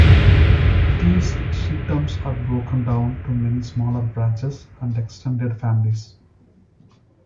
These sheikhdoms are broken down to many smaller branches and extended families.